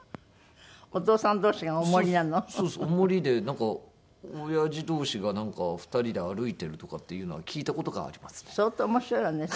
お守りでおやじ同士がなんか２人で歩いてるとかっていうのは聞いた事がありますね。